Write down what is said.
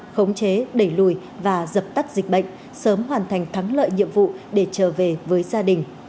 khống chế đẩy lùi và dập tắt dịch bệnh sớm hoàn thành thắng lợi nhiệm vụ để trở về với gia đình